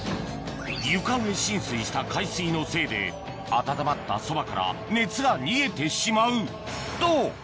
床上浸水した海水のせいで温まったそばから熱が逃げてしまうと！